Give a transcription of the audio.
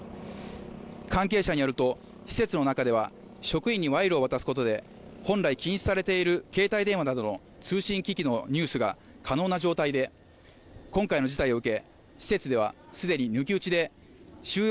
関係者によると施設の中では職員に賄賂を渡すことで本来禁止されている携帯電話などの通信機器の入手が可能な状態で今回の事態を受け